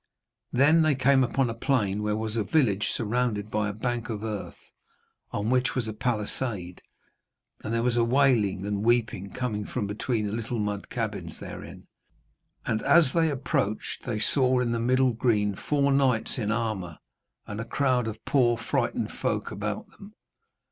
Then they came upon a plain where was a village surrounded by a bank of earth, on which was a palisade. And there was a wailing and weeping coming from between the little mud cabins therein; and as they approached they saw in the middle green four knights in armour and a crowd of poor frightened folk about them.